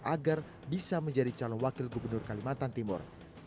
agar bisa menjadi calon wakil gubernur kalimantan timur